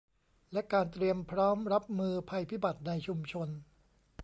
และการเตรียมพร้อมรับมือภัยพิบัติในชุมชน